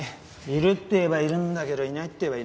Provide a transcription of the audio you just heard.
いるっていえばいるんだけどいないっていえばいないね。